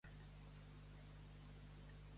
I l'actual president de Catalunya?